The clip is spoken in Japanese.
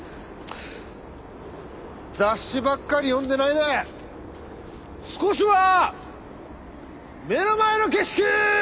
雑誌ばっかり読んでないで少しは目の前の景色！